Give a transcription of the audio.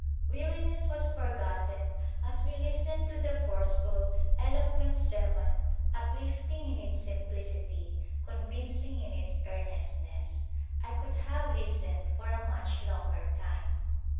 Weariness was forgotten as we listened to the forceful, eloquent sermon, uplifting in its simplicity, convincing in its Arrival m India earnestness. I could have listened for a much longer time.